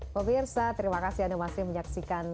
pemirsa terima kasih anda masih menyaksikan